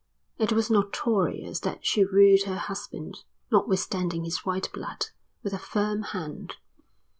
It was notorious that she ruled her husband, notwithstanding his white blood, with a firm hand.